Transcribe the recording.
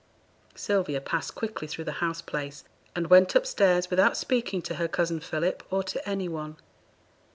Sylvia passed quickly through the house place, and went upstairs without speaking to her cousin Philip or to any one.